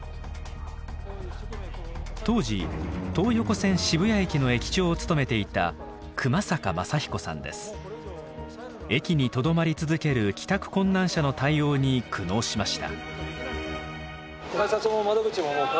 当時東横線渋谷駅の駅長を務めていた駅にとどまり続ける帰宅困難者の対応に苦悩しました。